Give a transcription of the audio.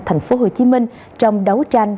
tp hcm trong đấu tranh